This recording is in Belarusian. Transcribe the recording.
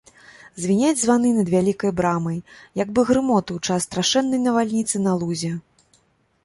Звіняць званы над вялікай брамай, як бы грымоты ў час страшэннай навальніцы на лузе.